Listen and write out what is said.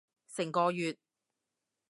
成個月？